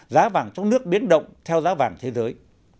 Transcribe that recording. giá vàng trong nước biến động theo giá vàng thế giới